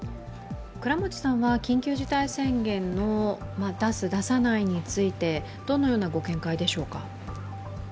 倉持さんは緊急事態宣言を出す・出さないについてどのようなご見解でしょうか？